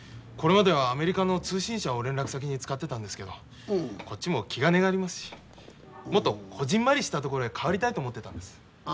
これまではアメリカの通信社を連絡先に使ってたんですけどこっちも気兼ねがありますしもっとこぢんまりした所へ変わりたいと思ってたんです。